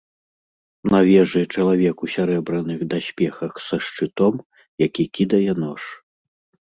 На вежы чалавек у сярэбраных даспехах са шчытом, які кідае нож.